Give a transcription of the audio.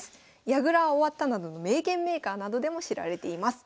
「矢倉は終わった」などの名言メーカーなどでも知られています。